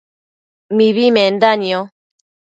mibi menda nio